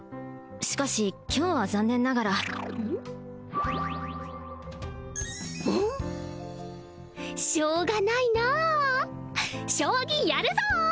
しかし今日は残念ながらしょうがないなあ将棋やるぞ！